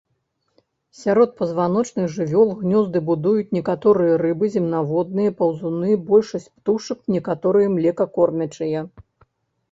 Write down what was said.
Сярод пазваночных жывёл гнёзды будуюць некаторыя рыбы, земнаводныя, паўзуны, большасць птушак, некаторыя млекакормячыя.